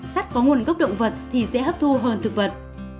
sắt có nguồn gốc động vật thì dễ hấp thu hơn thực vật